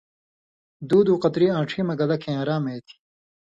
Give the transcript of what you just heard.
دُو دُو قطری آݩڇھیۡ مہ گلہ کھیں آرام اےتھی۔